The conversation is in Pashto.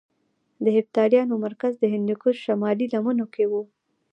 د هېپتاليانو مرکز د هندوکش شمالي لمنو کې کې وو